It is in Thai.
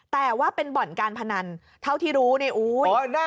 แต่ว่าเป็นบ่อนการพนันเท่าที่รู้เนี่ยอุ้ย